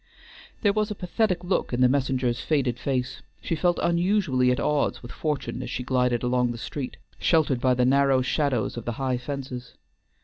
There was a pathetic look in the messenger's faded face, she felt unusually at odds with fortune as she glided along the street, sheltered by the narrow shadows of the high fences.